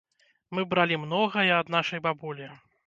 Мы бралі многае ад нашай бабулі.